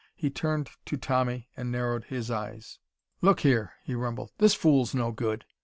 He turned to Tommy and narrowed his eyes. "Look here," he rumbled. "This fool's no good!